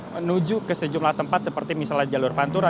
menuju ke sejumlah tempat seperti misalnya jalur pantura